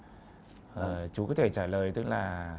ừ chú có thể trả lời tức là